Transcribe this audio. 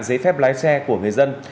giấy phép lái xe của người dân